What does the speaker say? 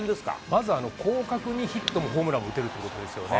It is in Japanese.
まずはこうかくにヒットもホームランも打てるということですよね。